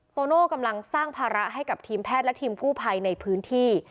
โตโน่กำลังสร้างภาระให้กับทีมแพทย์และทีมกู้ภัยในพื้นที่